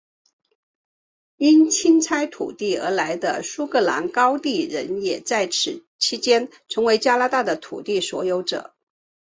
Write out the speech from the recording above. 因清拆土地而来的苏格兰高地人也在此期间成为加拿大的土地所有者。